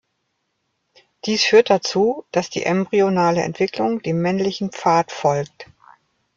Dies führt dazu, dass die embryonale Entwicklung dem männlichen Pfad folgt.